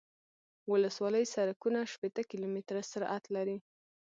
ولسوالي سرکونه شپیته کیلومتره سرعت لري